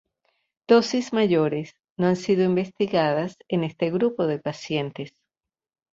Dosis mayores no han sido investigadas en este grupo de pacientes.